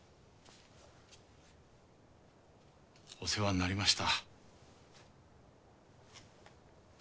お世話になりました。